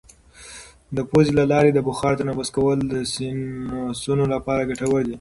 د پوزې له لارې د بخار تنفس کول د سینوسونو لپاره ګټور دي.